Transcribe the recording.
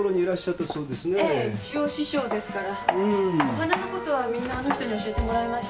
お花のことはみんなあの人に教えてもらいました。